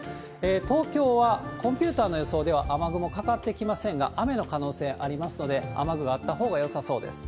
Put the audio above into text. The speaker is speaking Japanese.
東京はコンピューターの予想では雨雲かかってきませんが、雨の可能性ありますので、雨具があったほうがよさそうです。